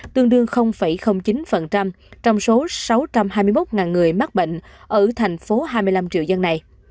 tương đương chín trong số sáu trăm hai mươi một người mắc bệnh ở thành phố hai mươi năm triệu dân này